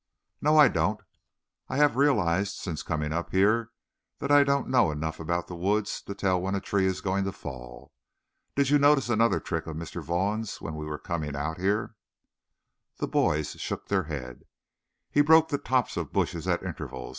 "No, I don't. I have realized, since coming up here, that I don't know enough about the woods to tell when a tree is going to fall. Did you notice another trick of Mr. Vaughn's when we were coming out here?" The boys shook their heads. "He broke the tops of bushes at intervals.